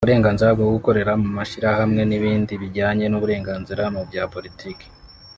uburenganzira bwo gukorera mu mashyirahamwe n’ibindi bijyanye n’uburenganzira mu bya politiki